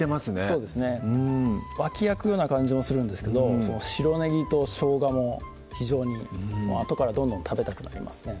そうですね脇役のような感じもするんですけどその白ねぎとしょうがも非常にあとからどんどん食べたくなりますね